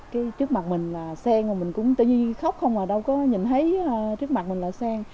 cái trước mặt mình là sen mà mình cũng tự nhiên khóc không mà đâu có nhìn thấy trước mặt mình là sen